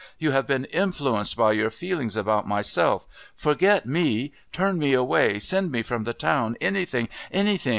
You have been influenced by your feelings about myself. Forget me, turn me away, send me from the town, anything, anything....